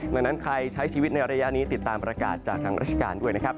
ดังนั้นใครใช้ชีวิตในระยะนี้ติดตามประกาศจากทางราชการด้วยนะครับ